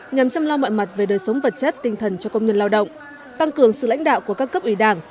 nhằm chăm lo mọi mặt về đời sống vật chất tinh thần cho công nhân lao động tăng cường sự lãnh đạo của các cấp ủy đảng